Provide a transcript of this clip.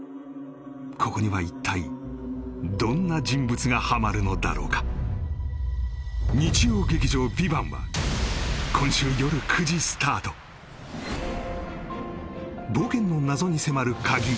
ここには一体どんな人物がはまるのだろうか日曜劇場「ＶＩＶＡＮＴ」は今週夜９時スタート冒険の謎に迫る鍵